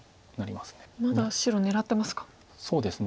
まだ白を狙ってますか。